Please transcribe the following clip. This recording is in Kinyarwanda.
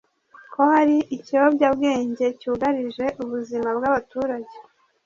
ko hari ikiyobyabwenge cyugarije ubuzima bw’abaturage